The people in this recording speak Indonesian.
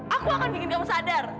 aku akan bikin kamu sadar